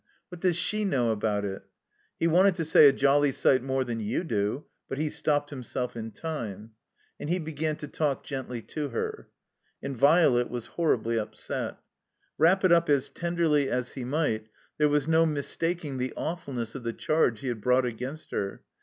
"What does she know about it?" He wanted to say "A jolly sight more than you do," but he stopped himself in time. He began to talk gently to her. And Violet was horribly upset. Wrap it up as tenderly as he might, there was no mistaking the awfulness of the charge he brought against her.